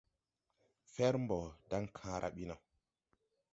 Fɛr mbɔ daŋkããra ɓi no.